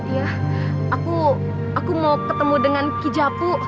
iya aku mau ketemu dengan kijapu